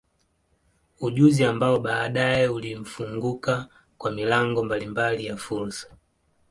Ujuzi ambao baadaye ulimfunguka kwa milango mbalimbali ya fursa.